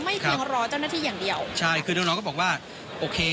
เพียงรอเจ้าหน้าที่อย่างเดียวใช่คือน้องน้องก็บอกว่าโอเค